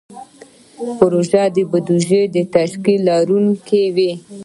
پروژه د بودیجې او تشکیل لرونکې وي.